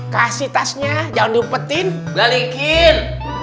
kasih tasnya jangan diumpetin belikin